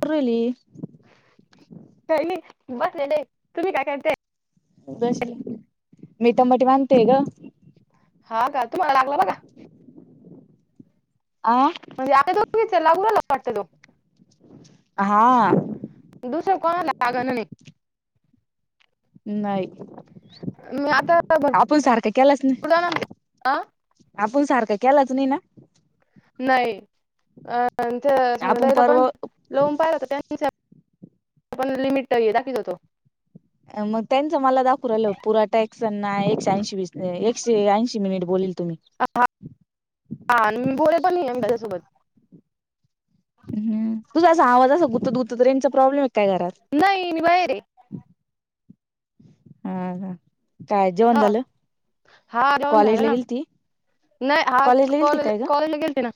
पुरली. सैनी बसलेले तुम्ही काय करते. मीटंबटी मानते ग. हा काका तुम्हाला लागला बघा. आ. म्हणजे, आहे तोघच लागू वाटत तो. हा, दुसरं कोणाला लागल नाही. नाही,, मी आता भरपूर आपण सारखं केलाच नाही. जणांना आ आपण सारखं केलाच नाही ना. नाही,, अ त्या आपण सगडायला पणऽ परवा लोन पाहिला होत त्यांच पण लिमिट दाखवीत होतो. मग त्यांचं मला दाखवू आलं पुराटाक्सांना एकशेऐंशी एकशे ऐंशी मिनिट बोलील तुम्ही. आ-आ आणि बोले पण नाही त्याझ्यासोबत. ह तुझा असा आवाज असा गुंतत गुत रेंजचा प्रॉब्लेम आहे का घरात. नही मी बाहेरे. हाहा काय जेवण हा झालं. हा जेवण झालं कॉलेजला ना गेलती नाही हा कॉलेजला गेलती कॉल काय ग? कॉलेजला गेलते ना.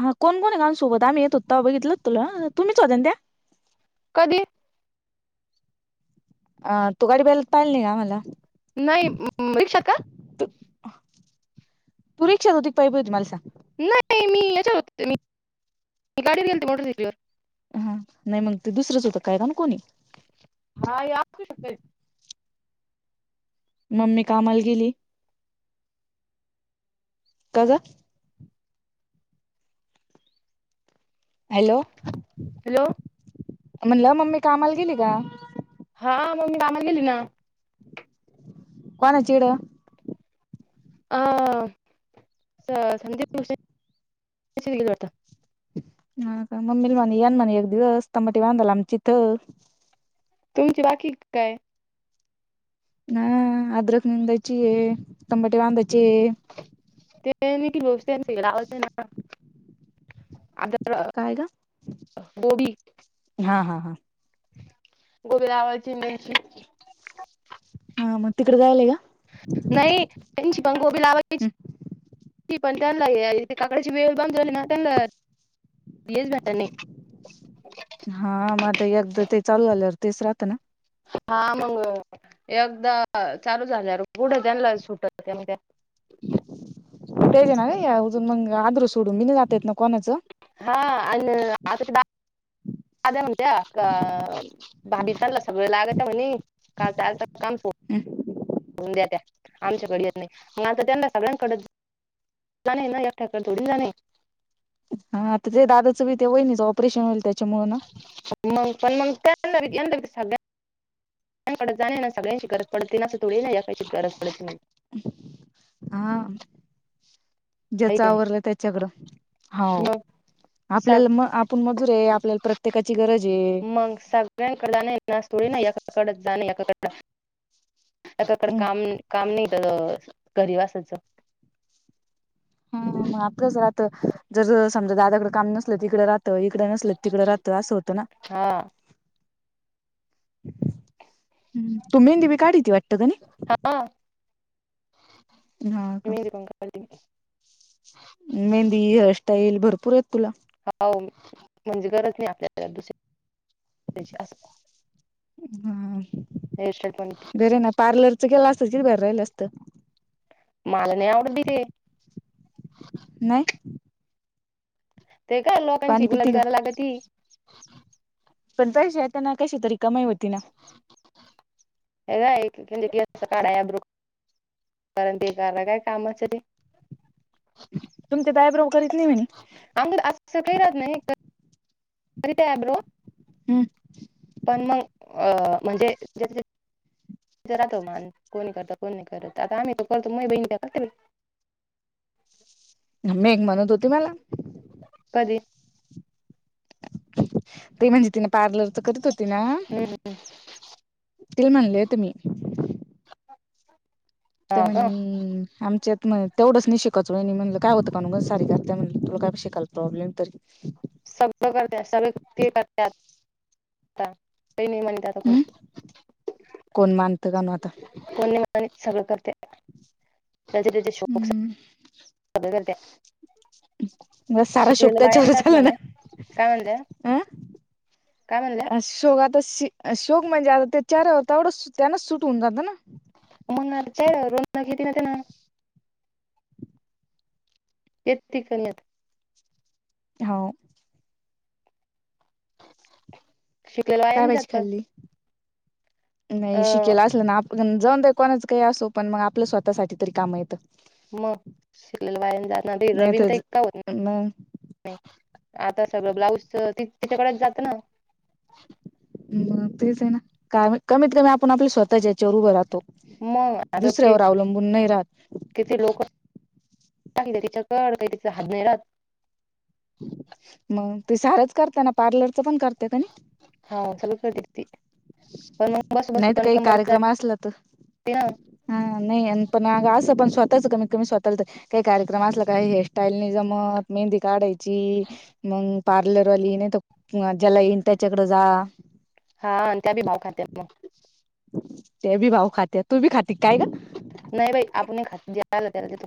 हा कोणकोनाय गानसोबत आम्हीे येत होतो तव्हा बघितल तुला तुम्हीच होत्या ना त्या. कधली. अ तू गाडी बैल पाहिल ना का मला. नाही रिक्षा का. पुरीक्षा होती पाय प तुमला साग. नाही मी याच्यात होती मी गाडीने गेलते मोटरसायकलवर. हा नाही मग ते दुसरंच होतं काय गाण ना कोणी. हा याकी शिकतय. मम्मी कामाला गेली का ग. हॅलो. हॅलो. म्हणलं मम्मी कामाला गेली का. हा अम्मी कामाला गेली ना. कोना ची कड. अ स संदीप न्यूसे गेल्यात वाटत. हा का मम्मीला म्हणे यान म्हणे एक दिवस त टमाटे बांधाल आमच्या इथं. तुमची बाकी काय. ह अद्रक निंदची तबाटे बांधायचे. त्यांनी की गोष्ट लावाचं ना. आता काय ग गोबी हा हा हा. गोबरावाची मैती. हा मग तिकडे जायला का. नाही त्यांची बंगोबी का लावायची. ती पण त्यांना यायची काकडची वेळ बंद झाली ना. त्यांनां भेट झालीं नाहीं. हां मंग आंता एकदां ते चालूं आलेवर तेचं राहतं नां. हां मंग एकदां चालूं झाल्यांवर पुढं त्यांना सुटतं त्यांनां तेजं नां र अजूंन मंग आदरू सोडूं मी नाहीं जातं येतं नां कोणाचं. हां आणि आंता बा. अदे उतेे का. [unintelligible] भाभी चाललं सगळं लागायचं म्हणे कांल चांल कामं सोड. हो द्या त्या आमच्याकडे येतं नाहीं मंग आंता त्यांना सगळ्यांकड. जाणे नां एकट्यांत थोडी जाणे आहे हां आंता ते दादाचं बी ते होईल ऑपरेशन होईल त्यांच्यामुळे नां. मंग पणं मंग त्यांना पणं यांना पणं सगळ्यांना. डे जां नां सगळ्यांची गरजं पडते नां थोडी नां ऐकाची चं गरजं पडते नाहीं हां हाय ज्यांच का नाही आवरला त्यांच्याकडे हांव मग स आपल्यांला मंग. पणं मजुरे आपल्यांला प्रत्येकांची गरजं आहे. मंग सगळ्यांकड नाही नासतोडी नां एकांकड जाणे एकांकड. आंताकडं हा कामं कामं नाहीं घरी वासायचं. हम्मं मंग आपलंच राहातं जरं समजां दादाकडे कामं नसलं तिकडे तं इकडं नसलं तिकडं राहतं असं होतं नां हा तूं मेहंदी बी काढीती वाटते हा ह का [inaudible] [unintelligible] ल् [unintelligible] [unintelligible] मेहंदी हेअरस्टाईल भरंपूर आहेतं तुंला हो म्हणजे गरजं नाहीं आपल्यांला दुसऱ्यां असं हम्मं हे शतं पणं पार्लर चं केलं असतं किती भारी राहिलं असतं मलां नाहीं आवडतं ते नाहीं ते कां पाणी लोकांची पिती गुलामी का करायंला लागतं ती पणं पैसे येते नां कशी तरी कमांई होती नां हे कायं घरी गेलं की काढांवा कारणं ते कलां कायं कामाचं ते तुमच्यांत आयब्रो करीत नाहीं कायं असं कांहीं राहतं नाहीं करीतांत आयब्रो हम्मं पणं मंग अं म्हणजे ज जातो मांण कोणी करतं कोणं नाहीं करतं आंता आम्हीं तो करतों मं बहीण त्यां करते मी एक म्हणत होती मला कधीं ते म्हणजे तिने पार्लर तरं करीत होती नां हम्म ते म्हनलयं तुम्ही तरं हा का मणे आमच्यांत तेवंच नाहीं शिकाचो म्हणलं कायं होतं कां सारी करं त्यां म्हणलं तुलां कायं शिकाल प्रॉब्म तरी ह [unintelligible] हम्म [unintelligible] कोण मानतं काणू आता कोण नाय मानीत सगळं करत्या ज्याचे त्याचे शोक सगळे करत्या. मग सारा शोक बायान त्याच्यावर जात झाला ना म्हणा काय म्हणल्या अं काय म्हणल्या अ शोगात तशी अ शोक म्हणजे आता ते चार तेवढं त्यानच सुट होऊन जातं ना मग [inaudible] घेती ना त्यानां ते तिकलं लेत हो. शिकलेल वाया काय नाय भाजी जात खाल्ली नाही अ शिकेला असलं ना आप जाऊन दे कोणाच काही असो पण मंग आपलं स्वतःसाठी तरी काम येतं. म शिकलेल वाया नाय जात रवीन तर का होत मग आता सगळं ब्लाऊज ती तिच्याकडच जात ना म तेच ये ना का कमीत कमी आपण आपल स्वतःच्या याच्यावर उभं राहतो. मग आता दुसऱ्यावर अवलंबून नाही राहत. किती लोक -लागले तिच्याकड काय तिचा हाद नाही राहत. मंग ते सारंच करता ना पार्लरचं पण करत्यात आणि हा सगळं करते की ती पण मग बसू बसू नाही तर पण काही कंबर जात कार्यक्रम असला तर ते ना हा नाही पण आग असं पण स्वतःच कमी कमी स्वतः चालत काही कार्यक्रम असला काय हेअरस्टाईल नाही जमत मेहंदी काढायची मंग पार्लरवाली नाय त ज्याला येईन त्याच्याकडं जा हा आणि त्या बी भाव खात्यात मंग त्या बी भाव खात्यात तू बी खाती काय ग नाय बाई आपण नाई खात जे आलं त्याला देतो.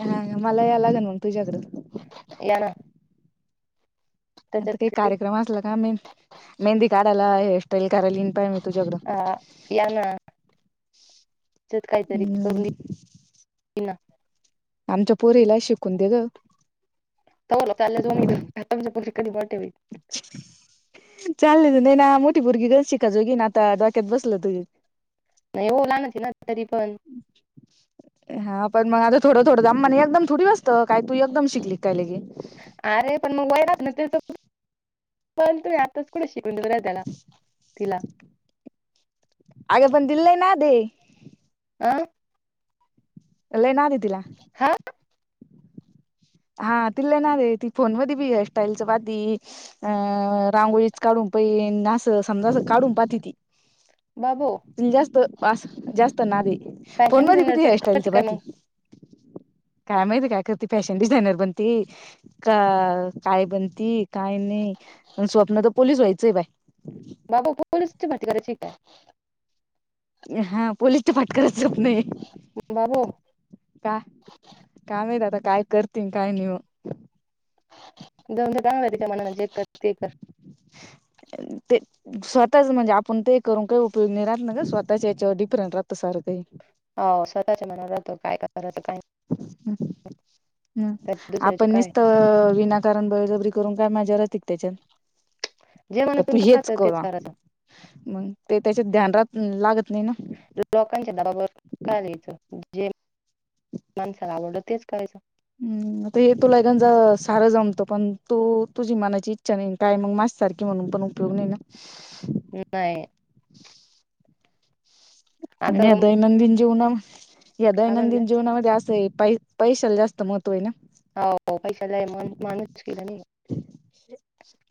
हा मला यायला लागन मंग तुझ्याकड यां ना आता काही त्याच्यात कार्यक्रम असला का मे मेंहंदी काढायला हेअरस्टाईल करायला येईन. पाय मी तुझ्याकडं हा या ना त्याच्यात काय तरी हम्म करून देईन ईन ना आमच्या पोरीलाई शिकून दे ग तवर लोक चालल्या तुम्ही तुमच्या पोरी कधी मोठ्या होईल. चालले तर [unintelligible] ना मोठी पोरगी ग शिक - त्या जोगी ना आता डोक्यात बसलं त नाय हो लहान ये ना तरीपण हा पण मग आता थोडं थोडं दमानी एकदम थोडी असतं काय तू एकदम शिकली काय लगे अरे पण मग वय राहत ना त्यांच पण पण तूं यां आत्ताच कुठ शिकून देता काय त्याला तिला अग पण तिला लय नाद ये आ लय नाद ये तिला हा हा तिला लय नाद ये ती फोन मध्ये बी हेअर स्टाईलचं पाहती अं रांगोळीच काढून पहिन असं समजा असं काढून पाहती ती बाबो तिला जास्त असं जास्त नाद ये फोन फॅशन मध्ये बी ती डिझायनरच हेअरस्टाईलच करते काय मग पाहती. काय माहिती काय करती ती फॅश डिझायनर बनती का काय बनती काय नही अन स्वप्नत पोलीस व्हायचंय बाय बाबो पोलीसची भती करायची काय हा पोलीसच्या फाटकरच स्वप्न हे बाबू काय काय माहित आता काय करतीन काय नही जाऊदे तिच्या तिच्या मनाने जे कर ते कर ते स्वतःच म्हणजे आपण ते करून काही उपयोग नाही राहत ना गं स्वतःच्या याच्यावर डिफरंट राहतं सारं काही अ स्वतःच्या मनावर राहत काय करायचं काय नाही हम् नाही, तर दुसऱ्याचे आपण काय निसत ना कारण बळजबरी करून काही मज्जा राती का त्याच्यात जे का तर मनातून तू हेच राहतं तेच कर करायचं मग ते त्याच्यात ध्यान रात लागत नाही ना लोकांच्या दबावर कायला यायचं जे माणसाला आवडलं तेच करायचं [inaudible] हम्म आता हे तुला सार गंज जमतं पण तू तुझी मनाची इच्छा नाही काय मग माझी सारखी म्हणून पण त नाही ना नाही आता आणि दैनंदिन जीवना हे काय म्हणलं दैनंदिन जीवनामध्ये असं आहे पै पैशाला जास्त महत्व आहे हो पैसा जाय, म माणस गेला नाही.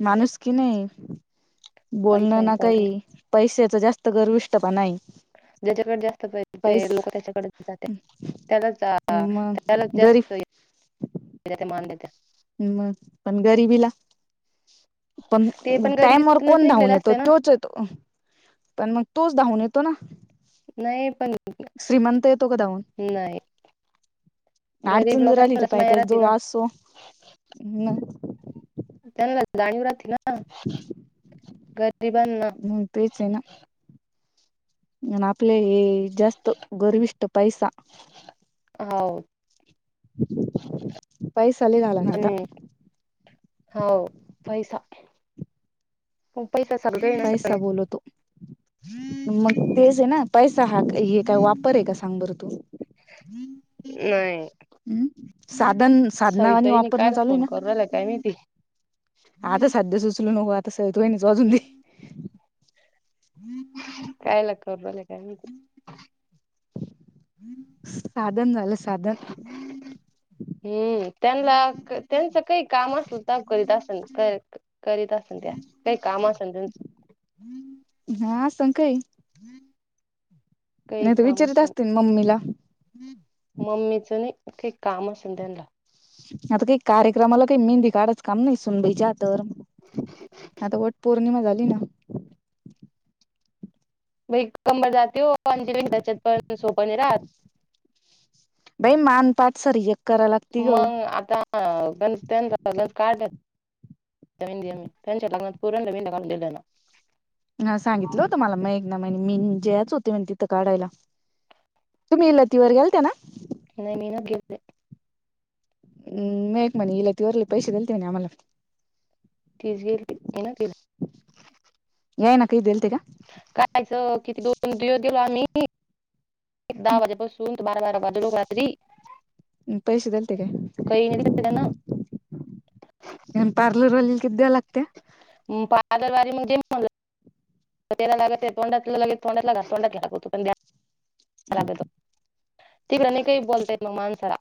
माणूसकी नाही. पैसा बोलणं ना काही. इम्पॉर्टंट पैशच जास्त गरविष्ट प नाही. ज्याच्याकडे जास्त पहिजे, लोक त्याच्याकडे जाते. त्यालाच अ मग त्याला गरीब जास्त हे देत्या मान देत्या ् मग पण गरीिबीला पण ते टाइमावर गरिबीतूनच कोण धावून निघलेलं येतो असते ना तोच येतो पण मग तोच धावून येतो ना नाही पण श्रीमंत येतो का धावून नाही गरीब अडचण जर आली तर लोकांनाच पाहि माया त्याच्या राहते ना जवळ असो न त्यांन जाणीव राहतील ना. गरिबांना म तेच आहे ना. म आपले हे जास्त गर्विष्ट पैसा. हो. पैसा लई झाला ना आता. हो पैसा. म पैसा साग देईना पैसा सगळ. बोलवतो मग तेच आहे ना. पैसा हा का हे काय वापर आहे का सांग बरं तू. नाहीय. हम्म. साधन साधना वाणी वापरन कायला चालू हाय फोन ना. करू राहिला काय माहिती आता सध्या सुचलू नको, आता स तच वाजून दे. कायला करला काय माहिती. [inaudible] साधन झालं साधन. [inaudible] हम्म. त्यांनला त्यांच काई काम असेल त करीत असेल कर करीत अस. संध्या, काही काम असण त्यांचं. हा, असणं काही. काही नाही त काम विचारीत असेल असतीन मम्मीला. मम्मीचं नाही, काई काम असेल त्यांनला. आता काही कार्यक्रमाला काही मेहंदी काढाच काम नाही सुनबाईच्या हातावर. आता वट पौर्णिमा झाली ना. बाई कंबर जाते हो, आणि जी त्याच्यात पण सोप न राहत. बाई मान पाठ सर एक करायला लागती ग मंग आता त्यांच कलर काडल. त्यांच्या लग्नात पुऱ्या नविन न आणलेलं ना. ह सांगितलं होतं मला. मग एक ना म्ह मी जेयच होते म्ह तिथं काढायला. तुम्ही लतिवर गेलत्या ना? ना मी ना गेले. हम् मेकमणी लतिवरले पैसे दिलते म्हणे आम्हाला. तीच गेलती. आना तिला. याना काय दिलते का? कायचं किती दोन दिवस गेलो आम्ही, दहा वाजेपासून. बारा बारा वाजलो रात्री. म पैसे दलते काय? काही नाही दिलं त्यानं अनं पार्लर वालीला किती द्याय लागत्या. अं. पादरवारी [unintelligible] म दे म्ह त्याला लागते. तोंडातला लगे तोंडातला घास तोंडातला लागतो. पण राग गेलत तिकडं न काही बोलता येत मानसाला.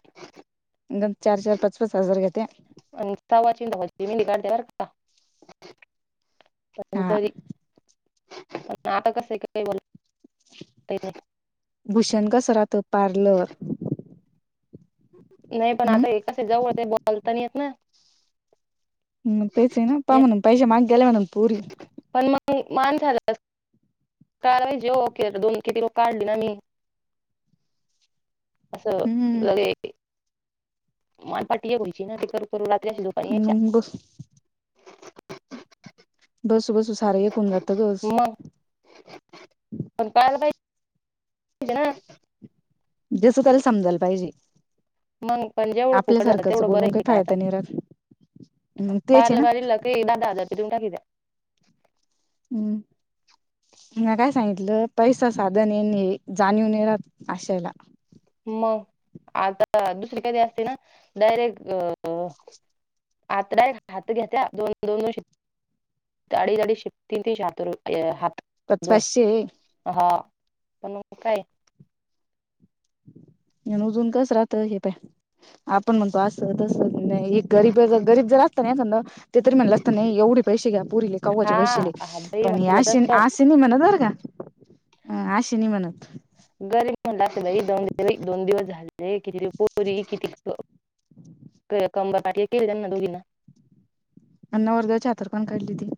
गप चार चार पाच पाच हजार घेत्या. अन् तवाची [unintelligible] निघाल ते बरका. हा परी नाता कस [inaudible] भूषण कसरात पार्लर. नाही पण हम्म आता ए कसं जव- बोलतानी येत ना. मंग तेच हेना, पा ये- म्हणून पैसे मागेला म्हणून पोरी. पण मग, मान झाला. कालवायचेे ओके दोन कि तीन काढली ना मी. आसं हम्म लगे मनपाटी व्हायची ना. ते करू करू रात्री अस दुकान यायच्या. मग बस बसू सारं एकून जातं गस. मग पण कायला पाहि इ ना [inaudible] जसं त्याला समजायला पाहिजे. मग पण जेवढं फुकट झालं आपल्यासारखंच तेवढं बरं बोलून काही आहे का आता फायदा नाही राहत. म तेच आहे ना. ते दादा हजार रुपये दिऊन टाकीचा. हम्. म्या काय सांगितलं पैसा साधन येणे जाणीव नई राहत आशयला. मग आता दुसरी कधी असते ना डायरेक्ट अ अत्डाय हाती घेत्या दोन दोन शिप. त्या आडीच आडीच शिप तीन तीन सातो र हात पाच दोन पाचशे आहे हा पण म काय? उजून कस राहत हे प आपण म्हणतो अस तस गरीब गरीब जर अ नाही ते तरी म्हणलं असतं नाही एवढे पैसे घ्या पुरीले काौवाचे हा पैशेले. हा बाई पण ह म्हणलं आशि तस आशिनी म्हणत बर का आशिनी म्हणत. गर्मी म्हटला तररीन दोन दिवस झाले. किती पोरी किती कंबरपाट केली त्यांना दोघीना [unintelligible] अन नवर् दवजच्या हातावर कोणी काढली होती?